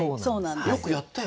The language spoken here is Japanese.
よくやったよね？